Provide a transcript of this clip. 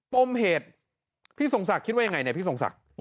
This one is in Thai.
ปมเหตุพี่ทรงศักดิ์คิดว่ายังไงเนี่ยพี่ทรงศักดิ์